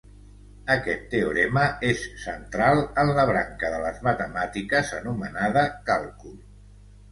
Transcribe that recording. Aquest teorema és central en la branca de les matemàtiques anomenada càlcul.